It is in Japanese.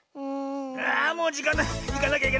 あもうじかんない。